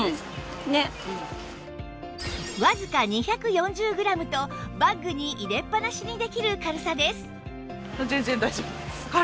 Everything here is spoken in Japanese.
わずか２４０グラムとバッグに入れっぱなしにできる軽さです